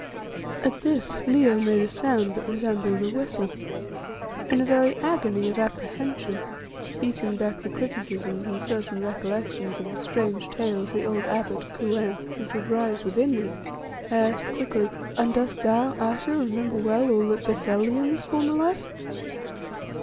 At this Leo made a sound that resembled a whistle. In a very agony of apprehension, beating back the criticisms and certain recollections of the strange tale of the old abbot, Kou en, which would rise within me, I asked quickly "And dost thou, Ayesha, remember well all that befell thee in this former life?"